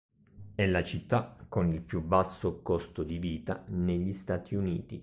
È la città con il più basso costo di vita negli Stati Uniti.